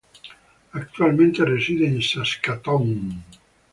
Actualmente reside en Saskatoon.